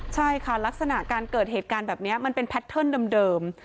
ใช่ค่ะลักษณะการเกิดเหตุการณ์แบบนี้มันเป็นแพทเทิร์นเดิม